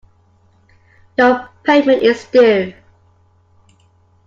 Your payment is due.